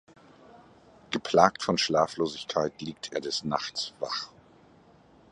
Geplagt von Schlaflosigkeit liegt er des Nachts wach.